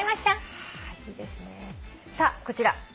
さあこちら。